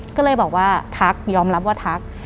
ก็เลยบอกว่าทักยอมรับว่าทัก